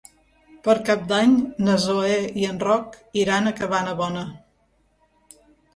Per Cap d'Any na Zoè i en Roc iran a Cabanabona.